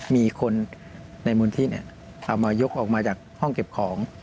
มีคนในมูลที่ทำมายกออกมาจากห้องเก็บของ